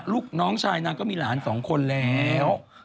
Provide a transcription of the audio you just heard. ลูกน้องชายนางก็มีหลานสองคนแล้ว